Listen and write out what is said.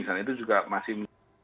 informasi itu juga masih